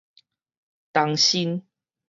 東新